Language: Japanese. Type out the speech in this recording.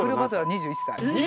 ２１歳！？